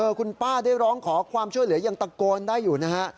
คุณป้าได้ร้องขอความช่วยเหลือยังตะโกนได้อยู่นะฮะ